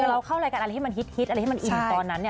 แต่เราเข้าอะไรกับอะไรที่มันฮิตอะไรที่มันอิ่มตอนนั้น